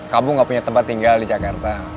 kamu gak punya tempat tinggal di jakarta